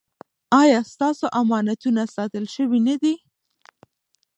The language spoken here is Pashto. ایا ستاسو امانتونه ساتل شوي نه دي؟